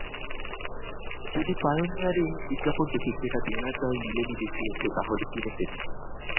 যদি পায়োনিয়রে বিজ্ঞাপন দেখি সেটা দেনার দায়ে নিলেমে বিক্রি হচ্ছে তা হলে কিনে ফেলি।